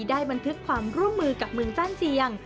บันทึกความร่วมมือกับเมืองจ้านเจียง